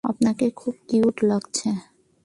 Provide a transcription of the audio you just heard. আপনাকে খুব কিউট লাগছে।